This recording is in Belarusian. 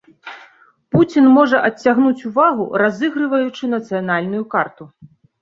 Пуцін можа адцягнуць увагу, разыгрываючы нацыянальную карту.